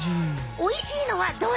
おいしいのはどれ？